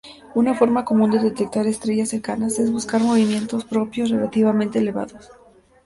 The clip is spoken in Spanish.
Una forma común de detectar estrellas cercanas es buscar movimientos propios relativamente elevados.